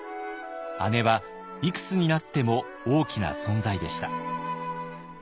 姉はいくつになっても大きな存在でした。